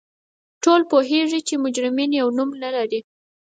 ټول پوهیږو چې مجرمین یو نوم نه لري